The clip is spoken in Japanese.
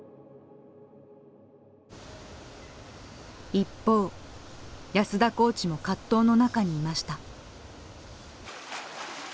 一方安田コーチも葛藤の中にいました。